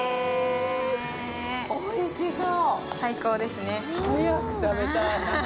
おいしそう！